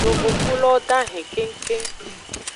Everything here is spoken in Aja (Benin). Yovogbulowo dahen kengkeng.